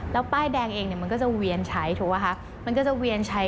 แล้วป้ายแดงเองมันก็จะเวียนใช้